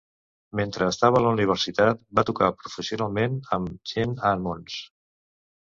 Mentre estava a la universitat, va tocar professionalment amb en Gene Ammons.